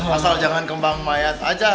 asal jangan kembang mayat aja